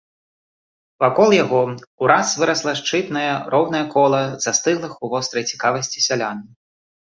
Вакол яго ўраз вырасла шчытнае, роўнае кола застыглых у вострай цікавасці сялян.